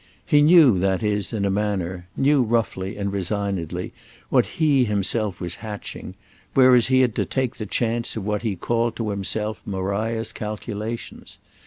He knew, that is, in a manner—knew roughly and resignedly—what he himself was hatching; whereas he had to take the chance of what he called to himself Maria's calculations.